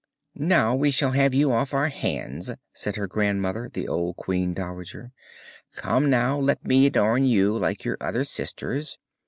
'Now we shall have you off our hands,' said her grandmother, the old queen dowager. 'Come now, let me adorn you like your other sisters!'